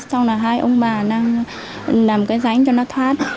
xong là hai ông bà đang làm cái rãnh cho nó thoát